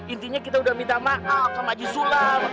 intinya kita udah minta maaf sama haji sulam